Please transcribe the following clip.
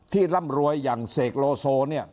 ร่ำรวยอย่างเสกโลโซเนี่ย